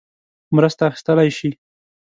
مرسته اخیستلای شي.